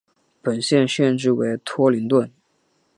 本县县治为托灵顿。